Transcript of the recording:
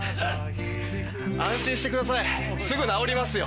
安心してくださいすぐ直りますよ。